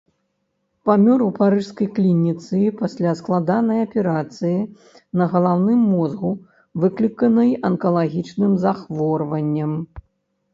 Памёр у парыжскай клініцы пасля складанай аперацыі на галаўным мозгу, выкліканай анкалагічным захворваннем.